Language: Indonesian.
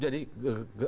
jadi apa hal yang di